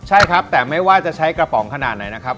ใช่ครับแต่ไม่ว่าจะใช้กระป๋องขนาดไหนนะครับ